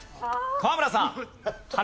河村さん。